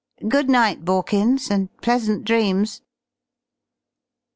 Good night, Borkins, and pleasant dreams."